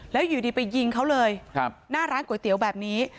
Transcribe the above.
แล้วอยู่ดีไปยิงเขาเลยหน้าร้านก๋วยเตี๋ยวแบบนี้